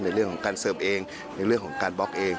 ในเรื่องของการเสิร์ฟเองในเรื่องของการบล็อกเอง